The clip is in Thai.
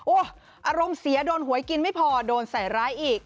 อารมณ์เสียโดนหวยกินไม่พอโดนใส่ร้ายอีก